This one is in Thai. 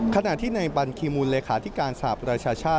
ขณะที่ในบัญคีมูลเลขาธิการสหประชาชาติ